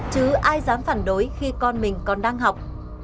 chứ ai dám phản đối khi con mình còn đang học